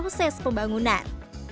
lalu proses pembangunan